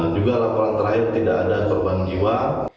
juga laporan terakhir tidak ada korban jiwa